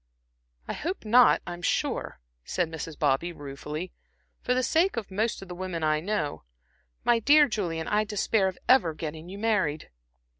"I hope not, I'm sure," said Mrs. Bobby, ruefully "for the sake of most of the women I know. My dear Julian, I despair of ever getting you married."